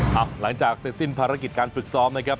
หลังจากเสร็จสิ้นภารกิจการฝึกซ้อมนะครับ